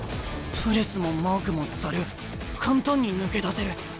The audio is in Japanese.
プレスもマークもザル簡単に抜け出せる。